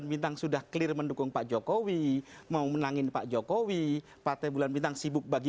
ini adalah alat bukti